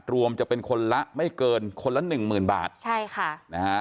รวมจะเป็นคนละไม่เกินคนละหนึ่งหมื่นบาทใช่ค่ะนะฮะ